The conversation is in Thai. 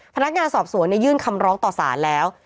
พนักงานสอบสวนยื่นคำร้องต่อสารแล้ว